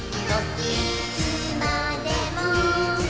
いつまでも。